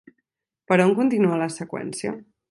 Per on continua la seqüència?